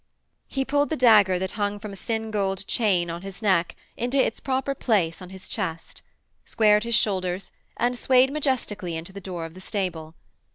He pulled the dagger that hung from a thin gold chain on his neck into its proper place on his chest, squared his shoulders, and swayed majestically into the door of the stable.